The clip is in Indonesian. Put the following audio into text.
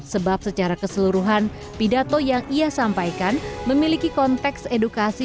sebab secara keseluruhan pidato yang ia sampaikan memiliki konteks edukasi